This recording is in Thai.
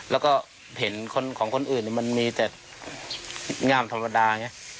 แล้วก็เห็นของคนอื่นมันมีแต่งามธรรมดาไง